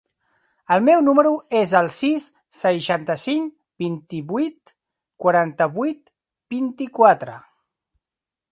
El meu número es el sis, seixanta-cinc, vint-i-vuit, quaranta-vuit, vint-i-quatre.